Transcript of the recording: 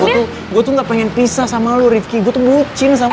gue tuh gak pengen pisah sama lo rifki gue tuh bucin sama lo